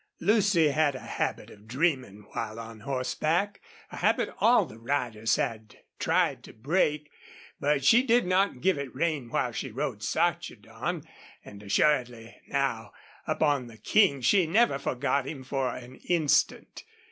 Lucy had a habit of dreaming while on horseback, a habit all the riders had tried to break, but she did not give it rein while she rode Sarchedon, and assuredly now, up on the King, she never forgot him for an instant.